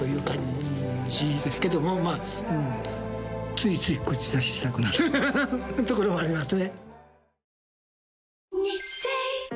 ついつい口出ししたくなるところもありますね。